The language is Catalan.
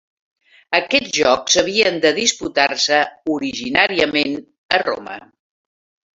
Aquests Jocs havien de disputar-se originàriament a Roma.